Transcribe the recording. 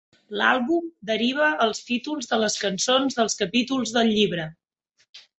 L'àlbum deriva els títols de les cançons dels capítols del llibre.